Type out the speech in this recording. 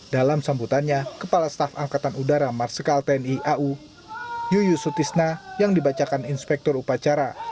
dalam sambutannya kepala staf angkatan udara marsikal tni au yuyusutisna yang dibacakan inspektur upacara